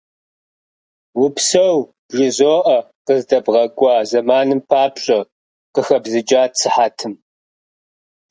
Упсэу бжызоӀэ, къыздэбгъэкӀуа зэманым папщӀэ, - къыхэбзыкӀат сыхьэтым.